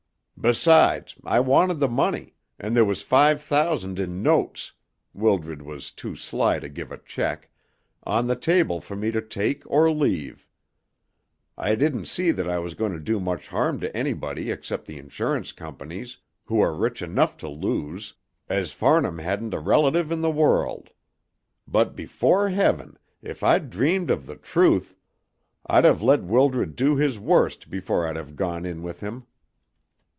Besides, I wanted the money, and there was five thousand in notes (Wildred was too sly to give a cheque) on the table for me to take or leave. I didn't see that I was going to do much harm to anybody except the insurance companies, who are rich enough to lose, as Farnham hadn't a relative in the world; but before heaven, if I'd dreamed of the truth, I'd have let Wildred do his worst before I'd have gone in with him.